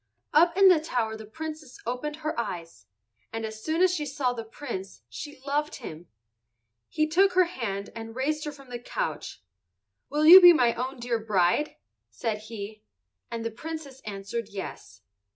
Up in the tower the Princess opened her eyes, and as soon as she saw the Prince she loved him. He took her hand and raised her from the couch. "Will you be my own dear bride?" said he. And the Princess answered yes.